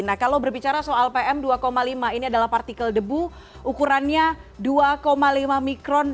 nah kalau berbicara soal pm dua lima ini adalah partikel debu ukurannya dua lima mikron